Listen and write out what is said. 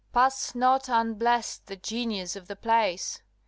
LXVIII. Pass not unblest the genius of the place!